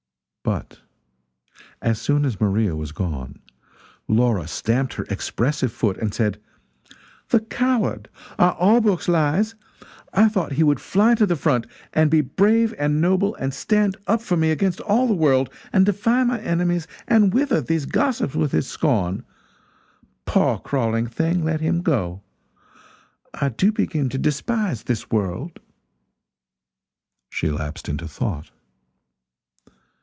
But as soon as Maria was gone, Laura stamped her expressive foot and said: "The coward! Are all books lies? I thought he would fly to the front, and be brave and noble, and stand up for me against all the world, and defy my enemies, and wither these gossips with his scorn! Poor crawling thing, let him go. I do begin to despise this world!" She lapsed into thought.